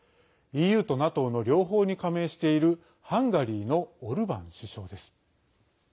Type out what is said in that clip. ＥＵとＮＡＴＯの両方に加盟しているハンガリーのオルバン首相です。